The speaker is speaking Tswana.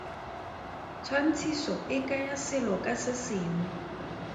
Tshwantshiso e kaya selo ka se sengwe.